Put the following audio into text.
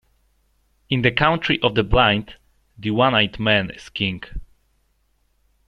In the country of the blind, the one-eyed man is king.